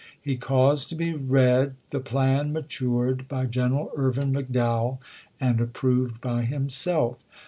He caused to be read the plan matured by General Irvin McDowell and approved by himself.